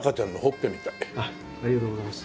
ありがとうございます。